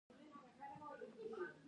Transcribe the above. د تاریخ درسونه هم رالنډ کړو